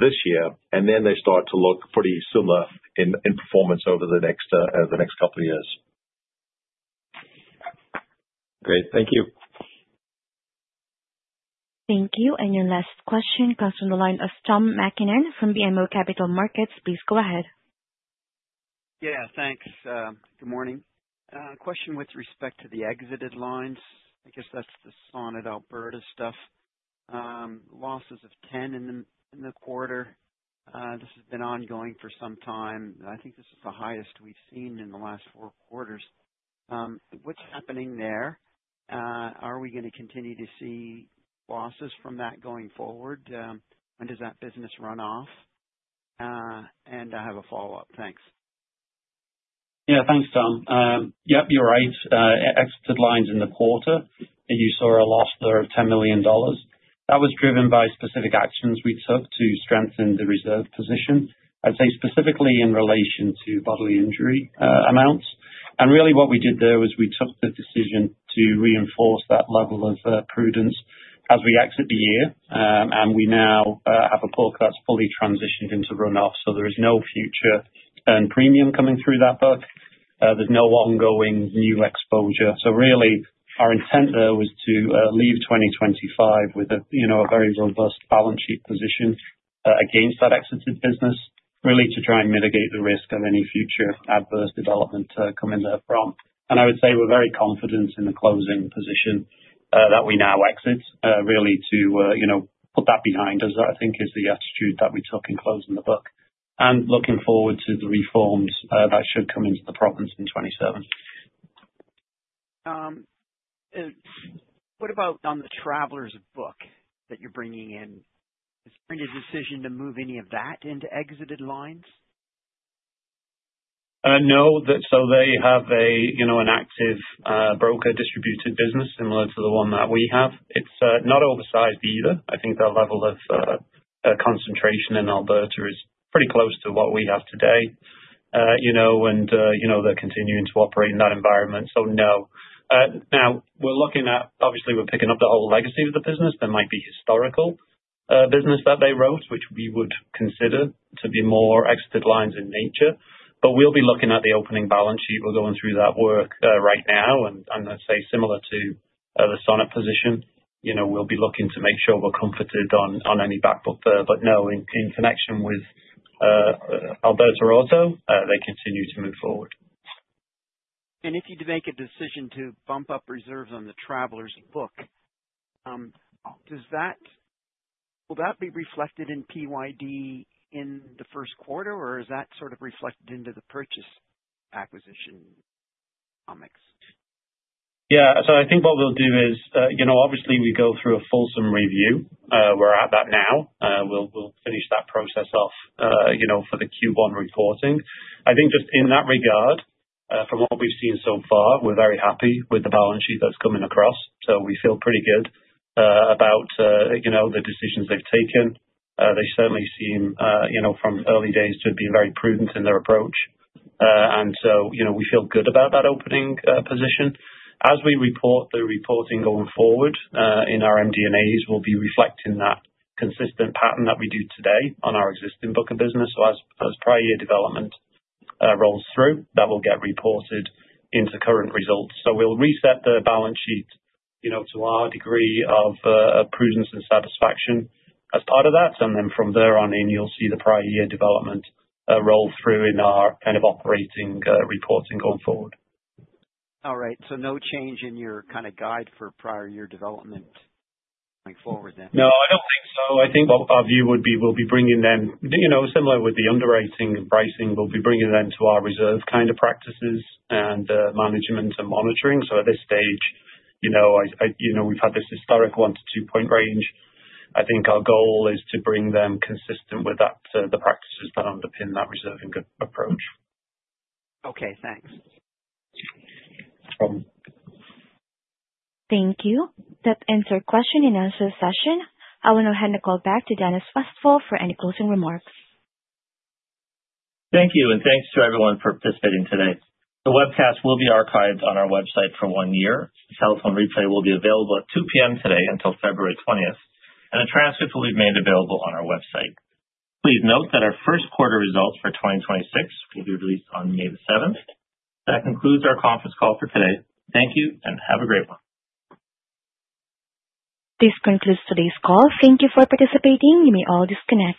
[SPEAKER 3] this year, and then they start to look pretty similar in performance over the next couple of years.
[SPEAKER 10] Great. Thank you.
[SPEAKER 1] Thank you. And your last question comes from the line of Tom MacKinnon from BMO Capital Markets. Please go ahead.
[SPEAKER 11] Yeah, thanks. Good morning. Question with respect to the exited lines, I guess that's the Sonnet Alberta stuff. Losses of 10 in the quarter. This has been ongoing for some time. I think this is the highest we've seen in the last four quarters. What's happening there? Are we going to continue to see losses from that going forward? When does that business run off? And I have a follow-up. Thanks.
[SPEAKER 4] Yeah, thanks, Tom. Yep, you're right. Exited lines in the quarter, and you saw a loss there of 10 million dollars. That was driven by specific actions we took to strengthen the reserve position. I'd say specifically in relation to bodily injury amounts. Really what we did there was we took the decision to reinforce that level of prudence as we exit the year. We now have a book that's fully transitioned into runoff, so there is no future earned premium coming through that book. There's no ongoing new exposure. So really, our intent there was to leave 2025 with a, you know, a very robust balance sheet position against that exited business, really to try and mitigate the risk of any future adverse development coming there from. I would say we're very confident in the closing position that we now exit. Really to, you know, put that behind us, I think is the attitude that we took in closing the book. Looking forward to the reforms that should come into the province in 2027.
[SPEAKER 11] What about on the Travelers book that you're bringing in? Has made a decision to move any of that into exited lines?
[SPEAKER 4] So they have a, you know, an active broker distributed business similar to the one that we have. It's not oversized either. I think their level of concentration in Alberta is pretty close to what we have today. You know, and, you know, they're continuing to operate in that environment, so no. Now, we're looking at, obviously, we're picking up the whole legacy of the business. There might be historical business that they wrote, which we would consider to be more exited lines in nature. But we'll be looking at the opening balance sheet. We're going through that work right now. And I'd say similar to the Sonnet position, you know, we'll be looking to make sure we're comforted on any backbook there. But no, in connection with Alberta auto, they continue to move forward.
[SPEAKER 11] If you'd make a decision to bump up reserves on the Travelers book, will that be reflected in PYD in the Q1? Or is that sort of reflected into the purchase acquisition mix?
[SPEAKER 4] Yeah. So I think what we'll do is, you know, obviously we go through a fulsome review. We're at that now. We'll finish that process off, you know, for the Q1 reporting. I think just in that regard, from what we've seen so far, we're very happy with the balance sheet that's coming across. So we feel pretty good about, you know, the decisions they've taken. They certainly seem, you know, from early days, to be very prudent in their approach. And so, you know, we feel good about that opening position. As we report the reporting going forward, in our MD&As, we'll be reflecting that consistent pattern that we do today on our existing book of business. So as prior year development rolls through, that will get reported into current results. So we'll reset the balance sheet, you know, to our degree of prudence and satisfaction as part of that. And then from there on in, you'll see the prior year development roll through in our kind of operating reporting going forward.
[SPEAKER 11] All right. So no change in your kind of guide for prior year development going forward then?
[SPEAKER 4] No, I don't think so. I think what our view would be, we'll be bringing them. You know, similar with the underwriting and pricing, we'll be bringing them to our reserve kind of practices and management and monitoring. So at this stage, you know, we've had this historic one to two point range. I think our goal is to bring them consistent with that, the practices that underpin that reserving approach.
[SPEAKER 11] Okay, thanks.
[SPEAKER 4] No problem.
[SPEAKER 1] Thank you. That ends our question and answer session. I will now hand the call back to Dennis Westfall for any closing remarks.
[SPEAKER 2] Thank you, and thanks to everyone for participating today. The webcast will be archived on our website for one year. The telephone replay will be available at 2:00 P.M. today until February twentieth, and a transcript will be made available on our website. Please note that our Q1 results for 2026 will be released on May the seventh. That concludes our conference call for today. Thank you, and have a great one.
[SPEAKER 1] This concludes today's call. Thank you for participating. You may all disconnect.